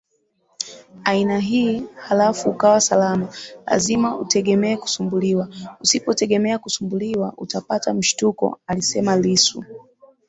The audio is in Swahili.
aina hii halafu ukawa salama Lazima utegemee kusumbuliwa Usipotegemea kusumbuliwa utapata mshtuko alisemaLissu